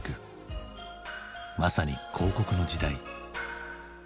まさに広告の時代。